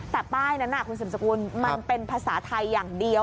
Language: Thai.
แต่ป้ายนั้นคุณสืบสกุลมันเป็นภาษาไทยอย่างเดียว